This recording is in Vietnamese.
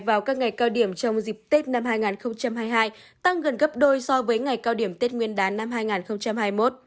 vào các ngày cao điểm trong dịp tết năm hai nghìn hai mươi hai tăng gần gấp đôi so với ngày cao điểm tết nguyên đán năm hai nghìn hai mươi một